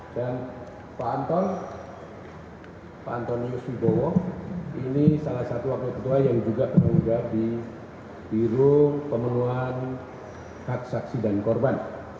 dan pak anton pak antonius widowo ini salah satu wakil ketua yang juga penanggung jawab di biro pemeluhan hak saksi dan korban